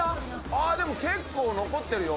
ああでも結構残ってるよ。